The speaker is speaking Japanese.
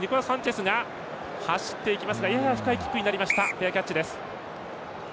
フェアキャッチです。